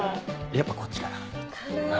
やっぱこっちかな？かな。